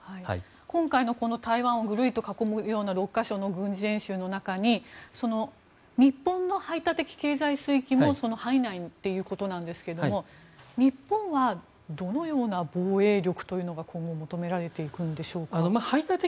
今回の台湾をぐるりと囲むような６か所の軍事演習の中に日本の排他的経済水域も範囲内ということですが日本はどのような防衛力が今後求められていくんでしょうか。